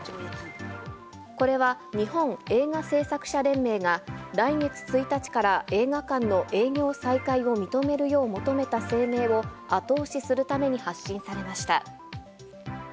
これは日本映画製作者連盟が、来月１日から映画館の営業再開を認めるよう求めた声明を後押しするために発信されました。